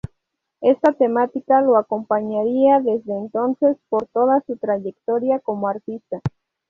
Esta temática lo acompañaría desde entonces por toda su trayectoria como artista.